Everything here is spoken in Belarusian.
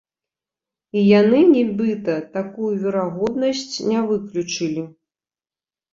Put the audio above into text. І яны, нібыта, такую верагоднасць не выключылі.